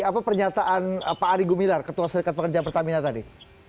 apa pernyataan pak ari gumilar ketua serikat pekerja pertamina tadi